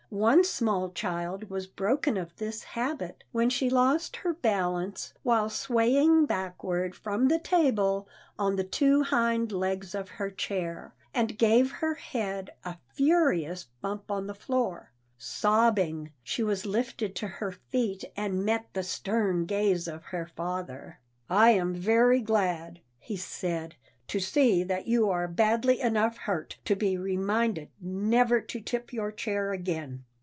One small child was broken of this habit when she lost her balance while swaying backward from the table on the two hind legs of her chair, and gave her head a furious bump on the floor. Sobbing, she was lifted to her feet, and met the stern gaze of her father. "I am very glad," he said, "to see that you are badly enough hurt to be reminded never to tip your chair again.